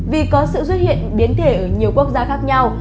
vì có sự xuất hiện biến thể ở nhiều quốc gia khác nhau